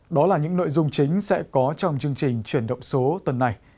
đó là những nội dung chính sẽ có trong chương trình chuyển động số tuần này